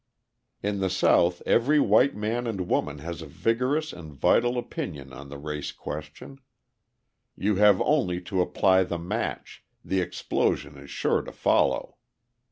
In the South every white man and woman has a vigorous and vital opinion on the race question. You have only to apply the match, the explosion is sure to follow.